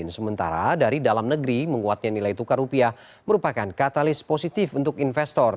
sementara dari dalam negeri menguatnya nilai tukar rupiah merupakan katalis positif untuk investor